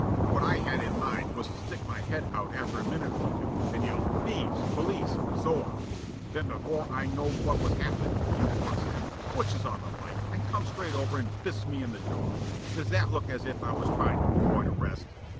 What I had in mind was to stick my head out after a minute or two and yell 'thieves', 'police', and so on. Then before I knowed what was happenin', you walks in, switches on the light, and comes straight over and biffs me in the jaw. Does that look as if I was tryin' to avoid arrest?"